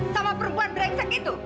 sama perempuan brengsek itu